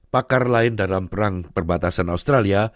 pakar lain dalam perang perbatasan australia